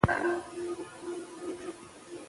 سباناري د بدن ساعتونو لپاره مهمه رول لري.